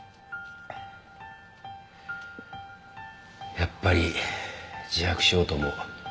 やっぱり自白しようと思う。